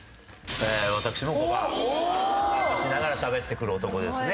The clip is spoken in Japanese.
私も５番「乾かしながら喋ってくる男」ですね。